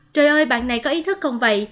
trời ơi bạn này có ý thức không vậy